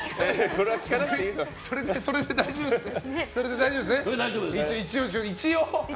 それで大丈夫ですね？